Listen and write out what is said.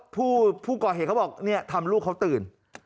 ผู้ก่อเหตุเขาบอกเนี่ยทำลูกเขาตื่น